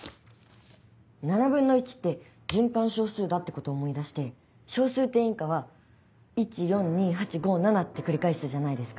７分の１って循環小数だってこと思い出して小数点以下は１・４・２・８・５・７って繰り返すじゃないですか。